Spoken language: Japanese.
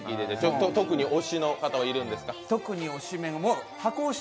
特に推しの方はいるんですか？